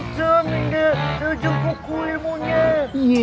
jauh jauh kukuh ilmunya